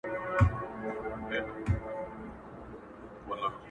خو اووه زره کلونه، غُلامي درته په کار ده,,